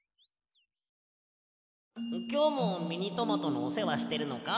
きょうもミニトマトのおせわしてるのか？